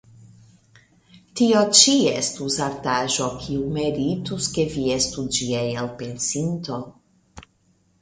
Tio ĉi estus artaĵo, kiu meritus, ke vi estu ĝia elpensinto.